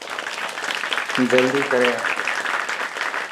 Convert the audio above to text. جلدي ڪر آ.